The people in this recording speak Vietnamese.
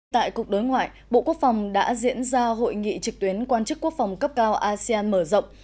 tại cục đối ngoại bộ quốc phòng đã diễn ra hội nghị trực tuyến quan chức quốc phòng cấp cao asean mở rộng